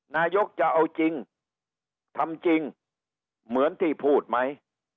นายกจะเอาจริงทำจริงเหมือนที่พูดไหม